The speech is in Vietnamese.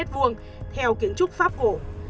theo kiến trúc pháp vổ